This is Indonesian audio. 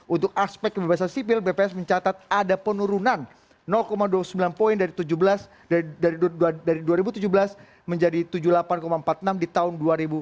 untuk aspek kebebasan sipil bps mencatat ada penurunan dua puluh sembilan poin dari dua ribu tujuh belas menjadi tujuh puluh delapan empat puluh enam di tahun dua ribu tujuh belas